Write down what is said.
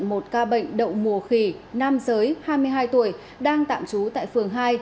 một ca bệnh đậu mùa khỉ nam giới hai mươi hai tuổi đang tạm trú tại phường hai